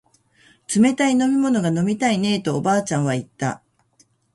冷たい飲み物が飲みたいねえとおばあちゃんは言った